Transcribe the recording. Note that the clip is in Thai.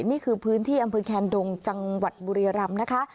นี่คือพื้นที่อำเภอแคนดงจังหวัดบุรียรำนะคะ